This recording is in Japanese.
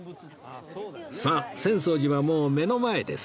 さあ浅草寺はもう目の前です